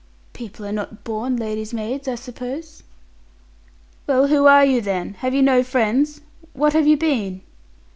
"People are not born ladies' maids, I suppose?" "Well, who are you, then? Have you no friends? What have you been?"